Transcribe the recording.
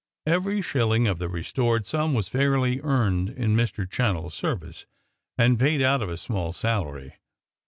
Every shilling of the restored sum was fairly earned in Mr. Channell's service, and paid out of a small salary.